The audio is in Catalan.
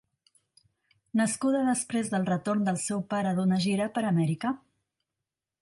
Nascuda després del retorn del seu pare d'una gira per Amèrica.